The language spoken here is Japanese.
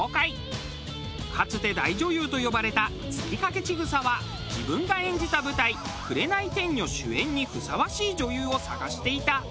かつて大女優と呼ばれた月影千草は自分が演じた舞台『紅天女』主演にふさわしい女優を探していた。